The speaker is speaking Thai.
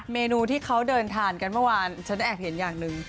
เมนูที่เขาเดินทานกันเมื่อวานฉันแอบเห็นอย่างหนึ่ง